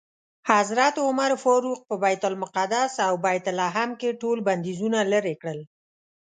حضرت عمر فاروق په بیت المقدس او بیت لحم کې ټول بندیزونه لرې کړل.